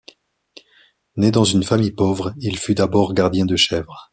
Né dans une famille pauvre, il fut d'abord gardien de chèvre.